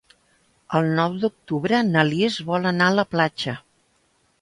El nou d'octubre na Lis vol anar a la platja.